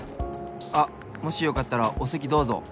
あっもしよかったらおせきどうぞ。